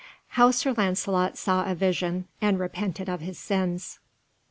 How Sir Lancelot saw a Vision, and repented of his Sins.